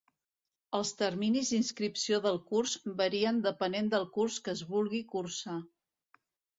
Els terminis d'inscripció del curs varien depenent del curs que es vulgui cursar.